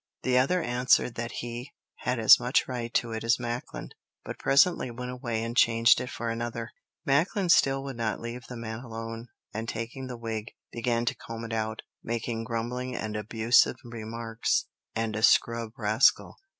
The other answered that he had as much right to it as Macklin, but presently went away and changed it for another. Macklin still would not leave the man alone, and taking the wig, began to comb it out, making grumbling and abusive remarks, calling Hallam a blackguard and a scrub rascal.